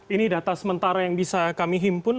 ini data sementara yang bisa kami himpun